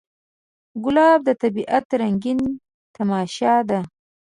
ګلاب د طبیعت رنګین تماشه ده.